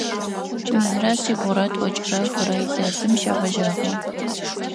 Минрэ шъибгъурэ тӏокӏрэ хырэ илъэсым шегъэжьагъэу.